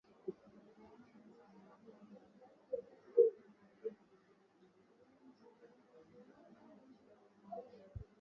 Kuanzia mwaka elfu moja mia tisa sitini na mbili, matangazo yaligeuzwa na kufanywa kipindi kilichotangazwa moja kwa moja kutoka Washington.